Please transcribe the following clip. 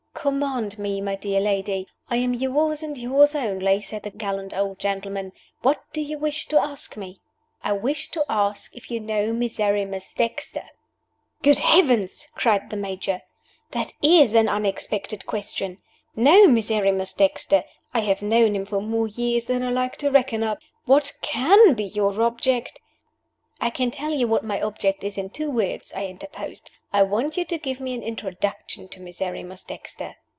"Command me, my dear lady I am yours and yours only," said the gallant old gentleman. "What do you wish to ask me?" "I wish to ask if you know Miserrimus Dexter." "Good Heavens!" cried the Major; "that is an unexpected question! Know Miserrimus Dexter? I have known him for more years than I like to reckon up. What can be your object " "I can tell you what my object is in two words," I interposed. "I want you to give me an introduction to Miserrimus Dexter."